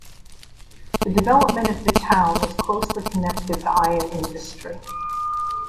The development of the town was closely connected the iron industry.